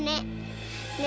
nenek lupa ya